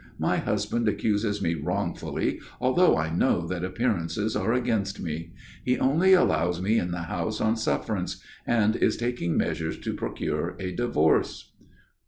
My husband accuses me wrongfully, although I know that appearances are against me. He only allows me in the house on sufferance, and is taking measures to procure a divorce."